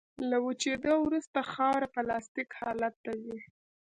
له وچېدو وروسته خاوره پلاستیک حالت ته ځي